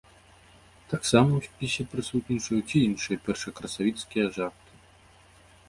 Таксама ў спісе прысутнічаюць і іншыя першакрасавіцкія жарты.